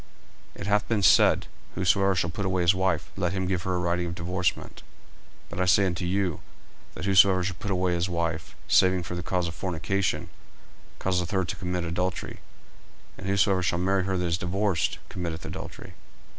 40:005:031 It hath been said, Whosoever shall put away his wife, let him give her a writing of divorcement: 40:005:032 But I say unto you, That whosoever shall put away his wife, saving for the cause of fornication, causeth her to commit adultery: and whosoever shall marry her that is divorced committeth adultery.